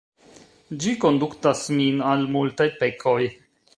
Ĝi konduktas min al multaj pekoj.